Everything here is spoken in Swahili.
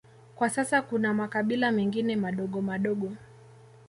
Kwa sasa kuna makabila mengine madogo madogo